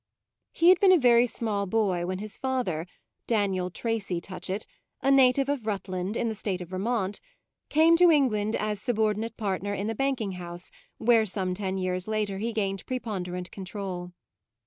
He had been a very small boy when his father, Daniel Tracy Touchett, a native of Rutland, in the State of Vermont, came to England as subordinate partner in a banking house where some ten years later he gained preponderant control.